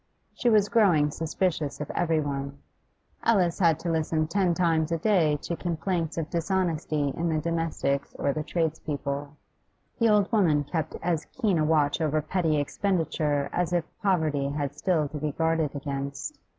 She was growing suspicious of every one; Alice had to listen ten times a day to complaints of dishonesty in the domestics or the tradespeople; the old woman kept as keen a watch over petty expenditure as if poverty had still to be guarded against.